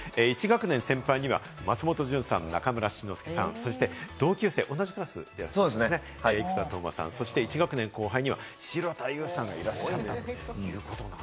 １学年先輩には松本潤さん、中村七之助さん、同級生、同じクラスには生田斗真さん、１年後輩には城田優さんがいらっしゃいます。